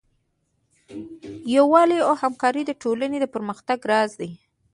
یووالی او همکاري د ټولنې د پرمختګ راز دی.